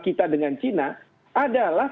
kita dengan china adalah